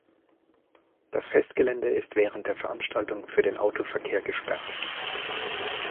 Das Festgelände ist während der Veranstaltung für den Autoverkehr gesperrt.